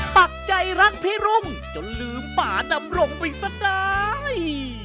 ปักใจรักพี่รุ่งจนลืมป่าดำรงไปซะได้